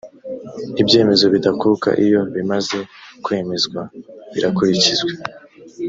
ibyemezo bidakuka iyo bimaze kwemezwa birakurikizwa